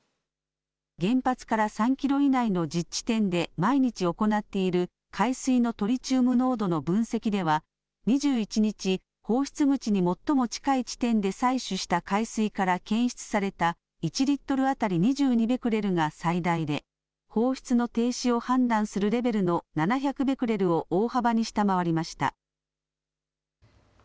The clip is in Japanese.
原発から３キロ以内の１０地点で毎日行っている海水のトリチウム濃度の分析では２１日、放出口に最も近い地点で採取した海水から検出された１リットル当たり２２ベクレルが最大で、放出の停止を判断するレベルの７００ベクレルを大幅に下回りました。